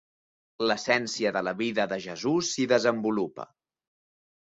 L'essència de la vida de Jesús s'hi desenvolupa.